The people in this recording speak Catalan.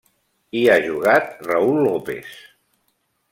Hi ha jugat Raül López.